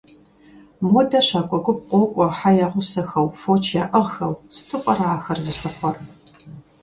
Модэ щакӀуэ гуп къокӀуэ хьэ ягъусэхэу, фоч яӀыгъхэу, сыту пӀэрэ ахэр зылъыхъуэр?